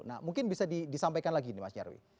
nah mungkin bisa disampaikan lagi nih mas nyarwi